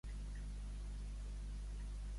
Es va fer una escultura de Cinisca?